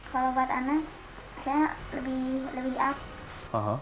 kalau buat anak saya lebih di up